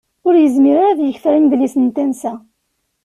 Ur yezmir ara ad d-yekter imedlisen n tensa.